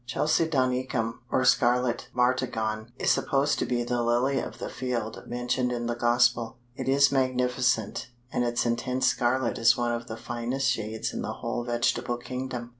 Chalcedonicum or Scarlet Martagon is supposed to be the "Lily of the field" mentioned in the Gospel. "It is magnificent, and its intense scarlet is one of the finest shades in the whole vegetable kingdom.